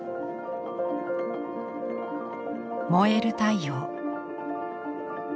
燃える太陽。